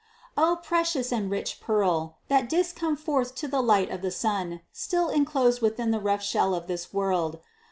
O precious and rich Pearl, that didst come forth to the light of the sun, still enclosed within the rough shell of this world!